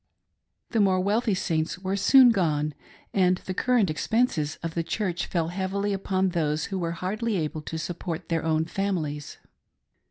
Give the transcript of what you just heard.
The more weal thy Saints were soon gone, and the current expenses of the church fell heavily upon those who were hardly able to sup port their own families.